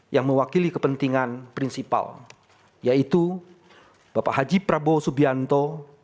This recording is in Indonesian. yang mewakili kepentingan prinsipal yaitu bapak haji prabowo subianto